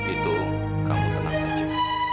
itu kamu tenang saja